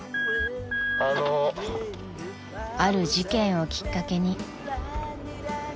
［ある事件をきっかけに］